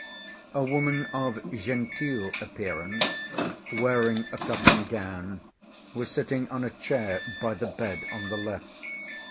A woman of genteel appearance, wearing a cotton gown, was sitting on a chair by the bed on the left.